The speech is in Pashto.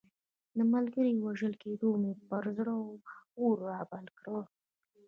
د ملګري وژل کېدو مې پر زړه اور رابل کړ.